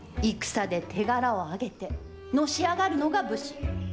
戦で手柄をあげて、のし上がるのが武士。